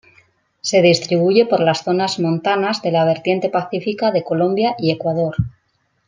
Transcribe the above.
Se distribuye por las zonas montanas de la vertiente pacífica de Colombia y Ecuador.